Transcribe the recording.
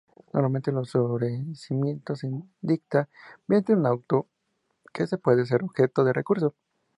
Normalmente, el sobreseimiento se dicta mediante un auto, que puede ser objeto de recurso.